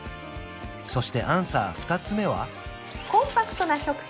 そしてアンサー２つ目は？